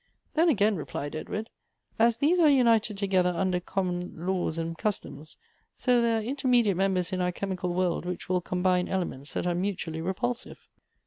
«' Then again," replied Edward ;" as these are united together under common laws and customs, so there are intermediate members in our chemical world, which will combine elements that are mutually repulsive."